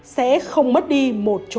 sẽ không mất đi một chỗ dựa